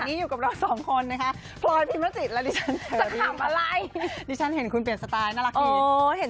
อยู่กับเราสองคนนึงนะฮะจากความมาใยดิฉันเห็นคุณเปลี่ยน